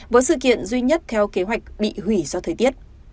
với sự kiện duy nhất theo kế hoạch bị hủy do thời tiết